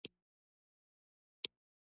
توت زمینی په کابل او ننګرهار کې کیږي.